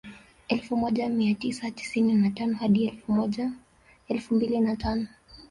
Elfu moja mia tisa tisini na tano hadi elfu mbili na tano